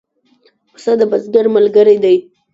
پسه د بزګر ملګری دی.